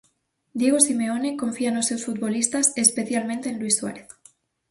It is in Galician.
Diego Simeone confía nos seus futbolistas e especialmente en Luís Suárez.